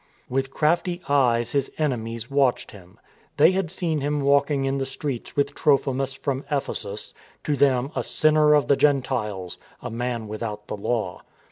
With crafty eyes his enemies watched him. They had seen him walking in the streets with Trophimus from Ephesus — to them a " sinner of the Gentiles," a man without the law.